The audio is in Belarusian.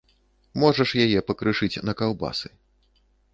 Можаш яе пакрышыць на каўбасы.